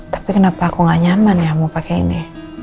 tapi kenapa aku gak nyaman ya mau pakai ini